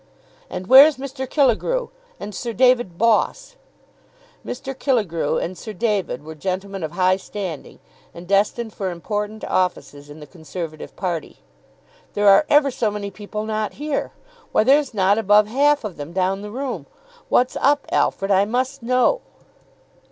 "And where's Mr. Killegrew, and Sir David Boss?" Mr. Killegrew and Sir David were gentlemen of high standing, and destined for important offices in the Conservative party. "There are ever so many people not here. Why, there's not above half of them down the room. What's up, Alfred? I must know."